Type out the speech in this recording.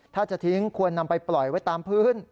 ถ้าจะทิ้งควรนำไปปล่อยไว้ตามพื้น